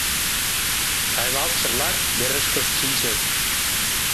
Сайлалтше-влак верышкышт шинчыт.